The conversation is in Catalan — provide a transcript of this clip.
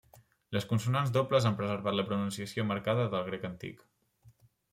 Les consonants dobles han preservat la pronunciació marcada del grec antic.